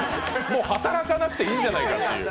もう働かなくていいんじゃないかという。